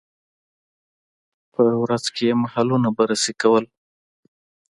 په ورځ کې یې محلونه بررسي کول.